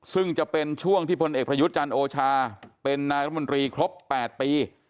ซึ่งจะเป็นช่วงที่พลเอกประยุทธ์จันทร์โอชาเป็นนายรมนตรีครบ๘ปี